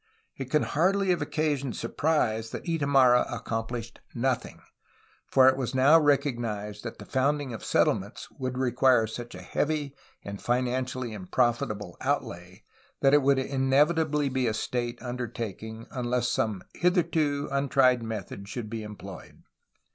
It can hardly have occasioned surprise that Itamarra accomplished nothing, for it was now recognized that the founding of settlements would require such a heavy and financially unprofitable outlay that it would inevitably be a state undertaking, unless some hitherto untried method should be employed.